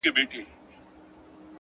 لوړ همت ستړې شېبې زغمي!